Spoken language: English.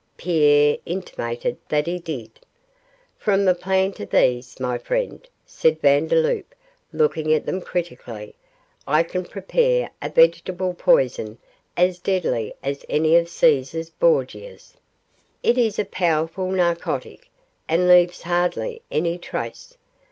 Pierre intimated that he did. 'From the plant of these, my friend,' said Vandeloup, looking at them critically, 'I can prepare a vegetable poison as deadly as any of Caesar Borgia's. It is a powerful narcotic, and leaves hardly any trace.